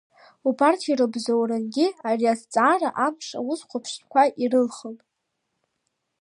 Убарҭ ирыбзоурангьы ари азҵаара амш аусхәаԥштәқәа ирылхын.